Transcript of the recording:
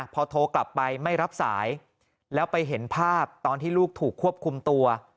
พอโทรกลับไปไม่รับสายแล้วไปเห็นภาพตอนที่ลูกถูกควบคุมตัว